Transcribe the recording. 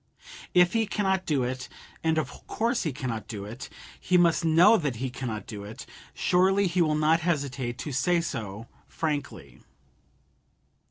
If he cannot do it and of course he cannot do it, and he must know that he cannot do it surely he will not hesitate to say so frankly.